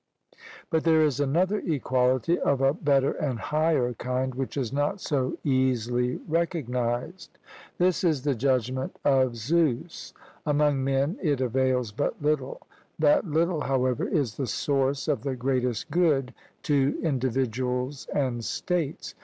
But there is another equality, of a better and higher kind, which is not so easily recognized. This is the judgment of Zeus; among men it avails but little; that little, however, is the source of the greatest good to individuals and states.